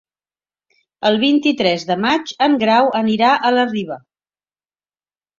El vint-i-tres de maig en Grau anirà a la Riba.